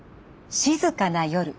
静かな夜。